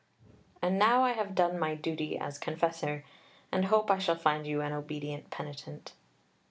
And now I have done my duty as confessor, and hope I shall find you an obedient penitent."